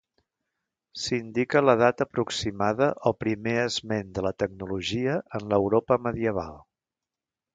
S'indica la data aproximada o primer esment de la tecnologia en l'Europa medieval.